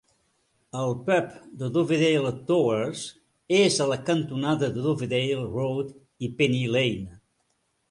El pub de Dovedale Towers és a la cantonada de Dovedale Road i Penny Lane.